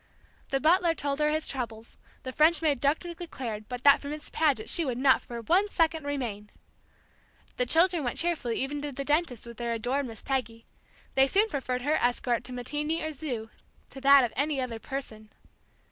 The butler told her his troubles, the French maid darkly declared that but for Miss Paget she would not for one second r r remain! The children went cheerfully even to the dentist with their adored Miss Peggy; they soon preferred her escort to matinee or zoo to that of any other person.